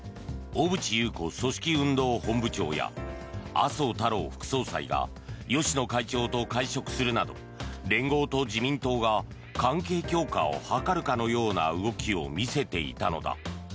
小渕優子組織運動本部長や麻生太郎副総裁が芳野会長と会食するなど連合と自民党が関係強化を図るかのような動きを見せていたのだ。